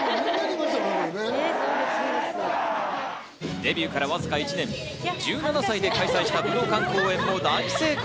デビューからわずか１年、１７歳で開催した武道館公演も大成功。